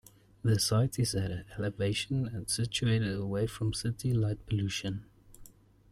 The site is at the elevation and situated away from city light pollution.